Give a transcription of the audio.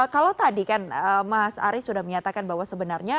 kalau tadi kan mas aris sudah menyatakan bahwa sebenarnya